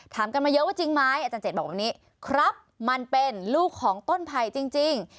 ถามกันมาเยอะว่าจริงไหมอาจารย์เจ็ดบอกแบบนี้ครับมันเป็นลูกของต้นไผ่จริง